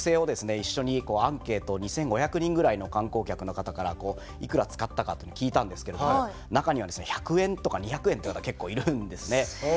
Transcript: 一緒にアンケート２，５００人ぐらいの観光客の方からいくら使ったかというのを聞いたんですけれども中にはですね１００円とか２００円って方結構いるんですね。